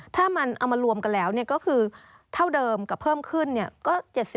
ถ้ามันเอามารวมกันแล้วก็คือเท่าเดิมกับเพิ่มขึ้นก็๗๐